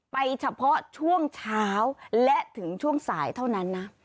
เฉพาะช่วงเช้าและถึงช่วงสายเท่านั้นนะ